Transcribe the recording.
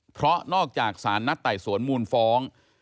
เพราะนอกจากสารนัดไต่สวนมูลฟ้อง